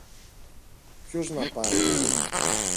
Ποιος να πάγει;